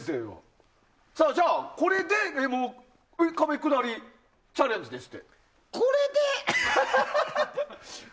これで壁下りにチャレンジですって。